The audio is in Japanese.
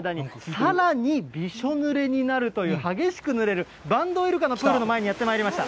さらにびしょぬれになるという、激しくぬれるバンドウイルカのプールの前にやってまいりました。